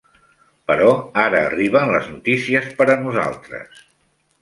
Però ara arriben les notícies per a nosaltres.